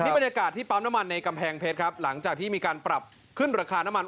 บรรยากาศที่ปั๊มน้ำมันในกำแพงเพชรครับหลังจากที่มีการปรับขึ้นราคาน้ำมัน